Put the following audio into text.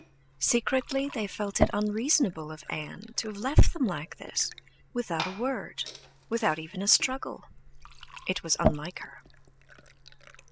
Secretly they felt it unreasonable of Ann to have left them like this without a word, without even a struggle. It was unlike her.